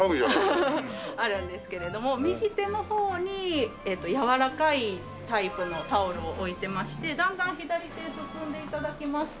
フフフあるんですけれども右手の方に柔らかいタイプのタオルを置いていましてだんだん左手へ進んで頂きますと。